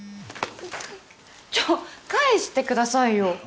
ちょっ返してくださいよ。